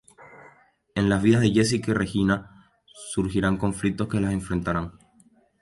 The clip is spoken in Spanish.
En las vidas de Jessica y Regina surgirán conflictos que las enfrentarán.